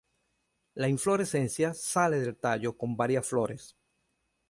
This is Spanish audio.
La inflorescencia sale del tallo con varias flores.